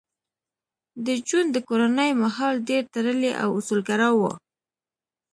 د جون د کورنۍ ماحول ډېر تړلی او اصولګرا و